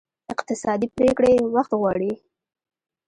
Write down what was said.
اقتصادي پرېکړې وخت غواړي.